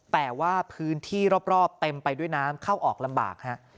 แต่ว่าพื้นที่รอบเต็มไปด้วยน้ำเข้าออกลำบากฮะ